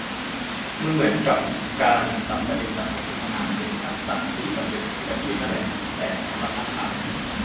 มันเหมือนกับ การจับประเด็นจากบทสนทนาเป็นทักษะที่จำเป็นกับทุกอาชีพนั่นแหละ แต่สำหรับนักข่าว